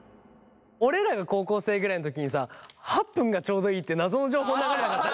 俺らが高校生ぐらいの時にさ８分がちょうどいいって謎の情報流れなかった？